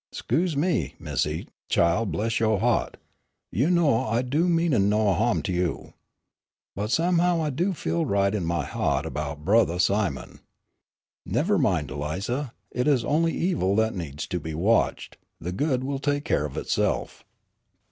"'Scuse me, Missy, chile, bless yo' hea't, you know I do' mean no ha'm to you. But somehow I do' feel right in my hea't 'bout Brothah Simon." "Never mind, Eliza, it is only evil that needs to be watched, the good will take care of itself."